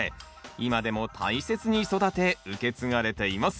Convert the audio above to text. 今でも大切に育て受け継がれています。